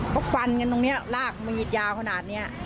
เขาฟันกันตรงนี้ลากมีดยาวขนาดนี้